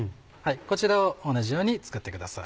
こちらを同じように作ってください。